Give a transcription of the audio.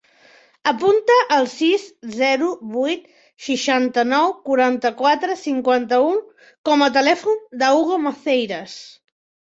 Apunta el sis, zero, vuit, seixanta-nou, quaranta-quatre, cinquanta-u com a telèfon de l'Hugo Maceiras.